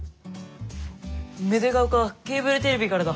芽出ヶ丘ケーブルテレビからだ。